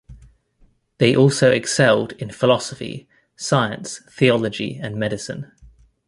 They also excelled in philosophy, science, theology and medicine.